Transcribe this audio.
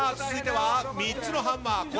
続いては３つのハンマー。